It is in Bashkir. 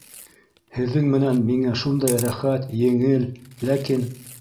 Һеҙҙең менән миңә шундай рәхәт, еңел, ләкин...